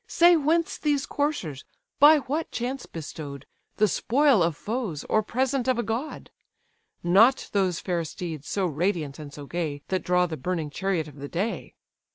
Say whence these coursers? by what chance bestow'd, The spoil of foes, or present of a god? Not those fair steeds, so radiant and so gay, That draw the burning chariot of the day.